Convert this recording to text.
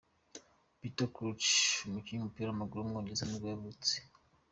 Peter Crouch, umukinnyi w’umupira w’amaguru w’umwongereza nibwo yavutse.